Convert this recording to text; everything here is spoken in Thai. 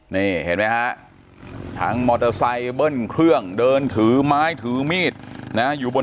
นี่เห็นไหมฮะทั้งมอเตอร์ไซค์เบิ้ลเครื่องเดินถือไม้ถือมีดนะอยู่บน